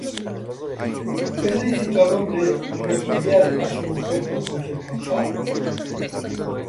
¿Es lícito al hombre repudiar á su mujer por cualquiera causa?